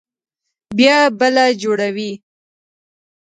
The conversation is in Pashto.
بيا بله جوړوي.